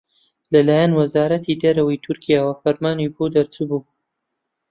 لەلایەن وەزارەتی دەرەوەی تورکیاوە فرمانی بۆ دەرچووبوو